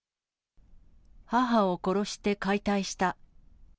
母を殺して解体した。